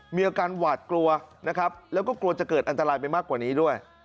มีอาการหวาดกลัวนะครับแล้วก็กลัวจะเกิดอันตรายไปมากกว่านี้ด้วย